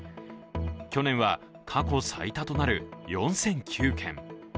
去年は過去最多となる４００９件。